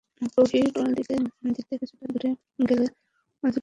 প্রহরী টহল দিতে দিতে কিছুটা দূরে চলে গেলে পরিখা অতিক্রম করতে সক্ষম হই।